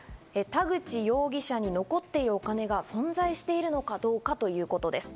田口容疑者に残っているお金が存在しているのかどうかということです。